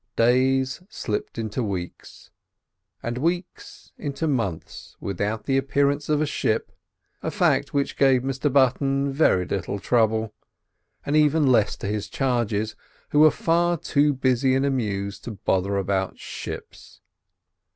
Days slipped into weeks, and weeks into months, without the appearance of a ship—a fact which gave Mr Button very little trouble; and even less to his charges, who were far too busy and amused to bother about ships.